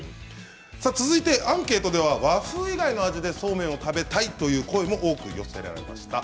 続いてはアンケートでは和風以外の味でそうめんを食べたいという声も多く寄せられました。